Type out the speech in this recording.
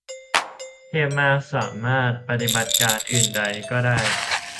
เทพมาก สามารถ "ปฏิบัติการอื่นใด" ก็ได้